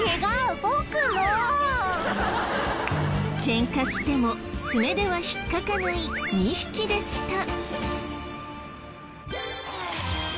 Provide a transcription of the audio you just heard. ケンカしても爪では引っかかない２匹でした。